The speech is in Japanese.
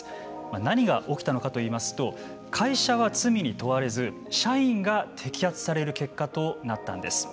何が起きたのかといいますと会社は罪に問われず社員が摘発される結果となったんです。